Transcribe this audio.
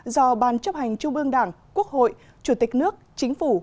do ban chấp hành trung ương đảng quốc hội chủ tịch nước chính phủ